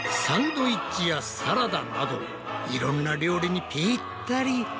サンドイッチやサラダなどいろんな料理にぴったり！